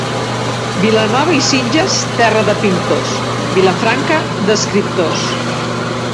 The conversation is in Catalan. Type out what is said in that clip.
Vilanova i Sitges, terra de pintors; Vilafranca, d'escriptors.